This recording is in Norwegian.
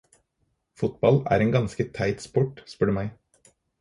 Fotball er en ganske teit sport spør du meg.